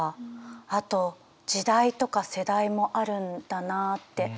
あと時代とか世代もあるんだなあって。